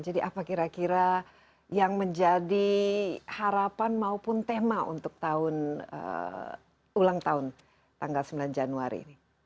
jadi apa kira kira yang menjadi harapan maupun tema untuk ulang tahun tanggal sembilan januari